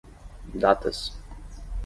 Datas